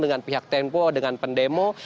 dengan pihak tempo dengan pendemo